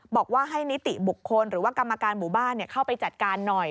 บอกว่าให้นิติบุคคลหรือว่ากรรมการหมู่บ้านเข้าไปจัดการหน่อย